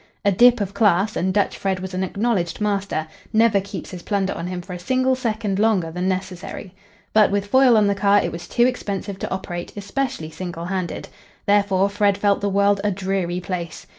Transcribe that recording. A "dip" of class and Dutch Fred was an acknowledged master never keeps his plunder on him for a single second longer than necessary. But with Foyle on the car it was too expensive to operate, especially single handed. Therefore, Fred felt the world a dreary place.